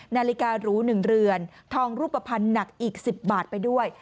นาฬิการู๑เรือนทองรูปภัณฑ์หนักอีก๑๐บาทไปด้วย